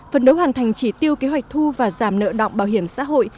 phần đấu hoàn thành chỉ tiêu kế hoạch thu và giảm nợ động bảo hiểm xã hội